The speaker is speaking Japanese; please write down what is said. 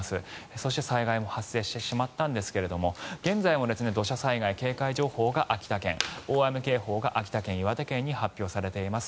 そして災害も発生してしまったんですが現在も土砂災害警戒情報が秋田県大雨警報が秋田県、岩手県に発表されています。